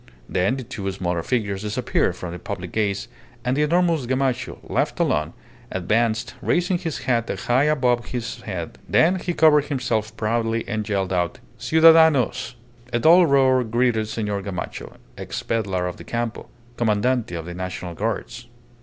Then the two smaller figures disappeared from the public gaze and the enormous Gamacho, left alone, advanced, raising his hat high above his head. Then he covered himself proudly and yelled out, "Ciudadanos!" A dull roar greeted Senor Gamacho, ex pedlar of the Campo, Commandante of the National Guards.